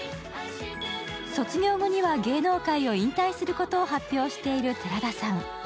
卒業後には芸能界を引退することを発表している寺田さん。